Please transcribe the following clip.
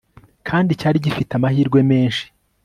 kandi cyari gifite amahirwe menshi